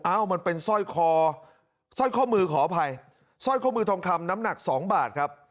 อ้าวมันเป็นซ่อยข้อมือขออภัยซ่อยข้อมือทองคำน้ำหนัก๒บาทครับ